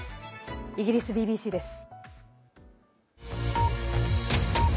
イギリスＢＢＣです。